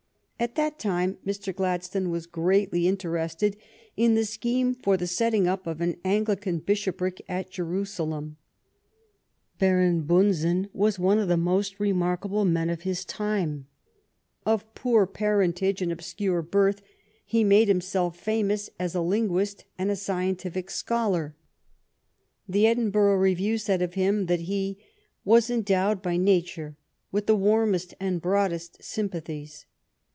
At that time Mr. Gladstone was greatly interested in the scheme for the setting up of an Anglican Bishopric at Jeru salem. Baron Bunsen was one of the most re GLADSTONE'S MARRIAGE 85 markable men of his time. Of poor parentage and obscure birth, he made himself famous as a linguist and a scientific scholar. The " Edin burgh Review" said of him that he "was endowed by nature with the warmest and broadest sym pathies.